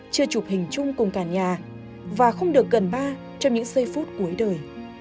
chưa chụp hình chung cùng cả nhà và không được gần ba trong những giây phút cuối đời